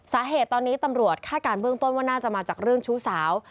สาเหตุตอนนี้ตำรวจคาดการณ์เบื้องต้นว่าน่าจะมาจากเรื่องชู้สาว